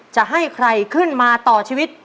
จะให้ใครขึ้นมาต่อชีวิต